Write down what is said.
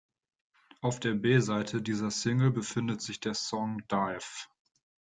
Auf der B-Seite dieser Single befindet sich der Song "Dive".